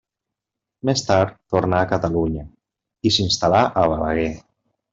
Més tard, tornà a Catalunya, i s'instal·là a Balaguer.